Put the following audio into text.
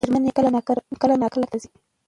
مېرمن یې کله ناکله کار ته ځي.